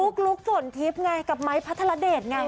ลุ๊กฝนทิพย์ไงกับไม้พัทรเดชไง